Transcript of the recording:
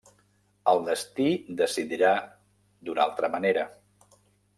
El destí decidirà d'una altra manera.